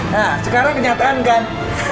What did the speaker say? nah sekarang kenyataan kan